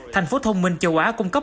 thành phố thông minh châu á cung cấp